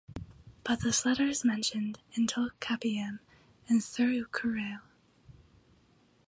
But this letter is mentioned in Tolkappiyam and Thirukkural.